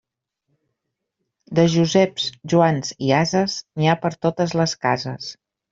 De Joseps, Joans i ases, n'hi ha per totes les cases.